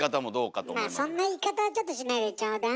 まあそんな言い方はちょっとしないでちょうだい。